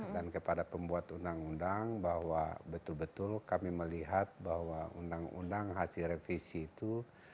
dan kepada pembuat undang undang bahwa betul betul kami melihat bahwa undang undang hasil revisi itu